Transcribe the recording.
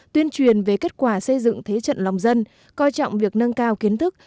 tuyên truyền về kết quả xây dựng thế trận lòng dân coi trọng việc nâng cao kiến thức